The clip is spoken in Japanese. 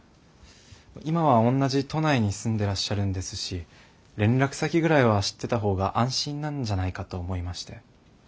今は同じ都内に住んでらっしゃるんですし連絡先ぐらいは知ってた方が安心なんじゃないかと思いまして。